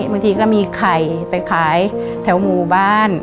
บางทีก็มีไข่ไปขายแถวหมู่บ้าน